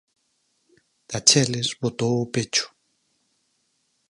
Tacheles botou o pecho.